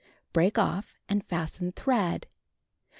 Break off and fasten thread.